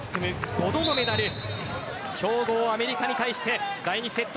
５度のメダル強豪アメリカに対して第２セット